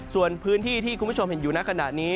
ส่วนพื้นที่ที่คุณผู้ชมเห็นอยู่ในขณะนี้